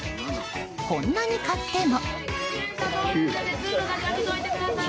こんなに買っても。